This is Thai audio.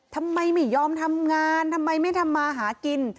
ทำไมไม่ยอมทำงานทำไมไม่ทำมาหากิน